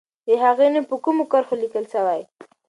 د هغې نوم په کومو کرښو لیکل سوی؟